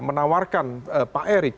menawarkan pak erik